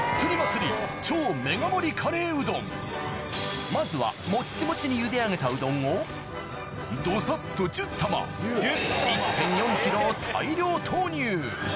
なんとまずはモッチモチにゆで上げたうどんをどさっと１０玉１．４ｋｇを大量投入